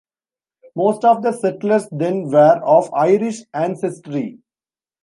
Most of the settlers then were of Irish ancestry.